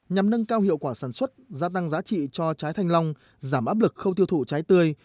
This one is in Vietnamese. nhằm nâng cao hiệu quả sản xuất gia tăng giá trị cho trái thanh long giảm áp lực không tiêu thụ trái tươi